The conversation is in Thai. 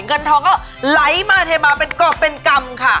เงินทอง็ไล่มาเทบามันกรอกเป็นกรรมค่ะ